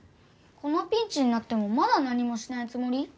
このピンチになってもまだ何もしないつもり？